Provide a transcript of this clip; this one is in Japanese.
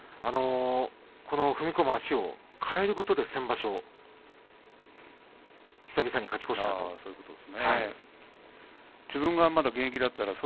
踏み込む足を変えることで先場所、久々に勝ち越したということです。